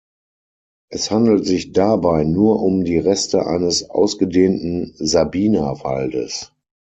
Es handelt sich dabei nur um die Reste eines ausgedehnten "Sabina"-Waldes.